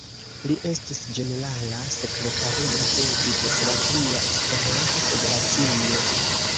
Li estis ĝenerala sekretario de Jugoslavia Esperanto-Federacio.